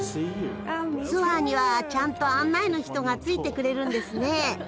ツアーにはちゃんと案内の人がついてくれるんですね。